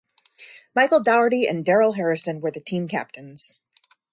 Michael Dougherty and Darrell Harrison were the team captains.